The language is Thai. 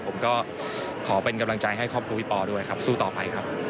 ผมก็ขอเป็นกำลังใจให้ครอบครัวพี่ปอด้วยครับสู้ต่อไปครับ